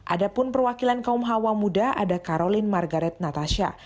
ada pun perwakilan kaum hawa muda ada karolin margaret natasha